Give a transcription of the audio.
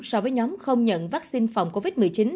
so với nhóm không nhận vaccine phòng covid một mươi chín